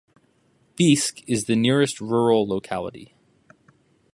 Biysk is the nearest rural locality.